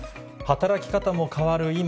働き方も変わる今。